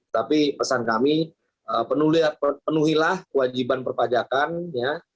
tapi pesan kami penuhilah kewajiban perpajakannya